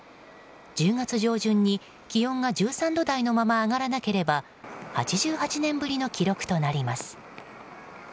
１０月上旬に気温が１３度台のまま上がらなければ８８年ぶりの記録となります。